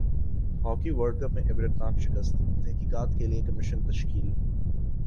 hockey world cup میں عبرتناک شکست تحقیقات کیلئے کمیشن تشکیل